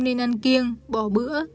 nên ăn kiêng bỏ bữa